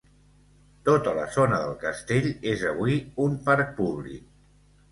Tota la zona del castell és avui un parc públic.